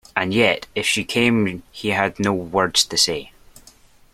And yet if she came he had no words to say.